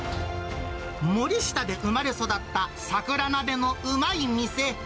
森下で生まれ育った、桜なべのうまい店。